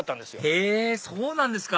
へぇそうなんですか！